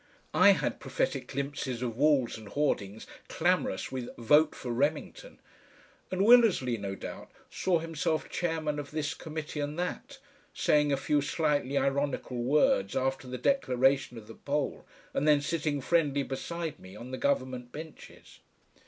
I had prophetic glimpses of walls and hoardings clamorous with "Vote for Remington," and Willersley no doubt saw himself chairman of this committee and that, saying a few slightly ironical words after the declaration of the poll, and then sitting friendly beside me on the government benches.